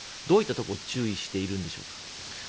どういったところを注意しているのでしょうか。